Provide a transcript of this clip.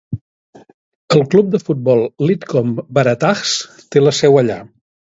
El club de futbol Lidcombe Waratahs té la seu allà.